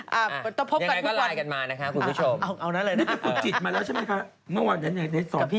ยังไงก็ไลน์กันมานะคะคุณผู้ชมนี่เป็นฝึกจิตมาแล้วใช่ไหมคะ